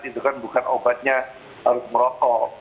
itu kan bukan obatnya harus merokok